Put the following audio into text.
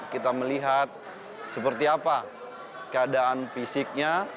kita melihat seperti apa keadaan fisiknya